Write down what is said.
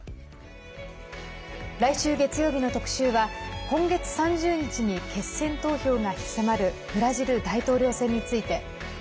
来週月曜日の特集は今月３０日に決選投票が迫るブラジル大統領選について。